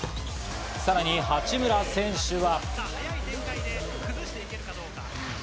さらに八村選手は。